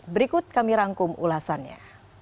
berikut kami rangkum ulasannya